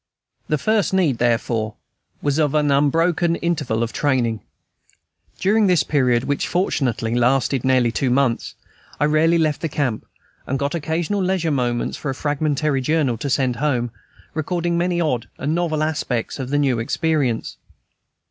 The first need, therefore, was of an unbroken interval of training. During this period, which fortunately lasted nearly two months, I rarely left the camp, and got occasional leisure moments for a fragmentary journal, to send home, recording the many odd or novel aspects of the new experience.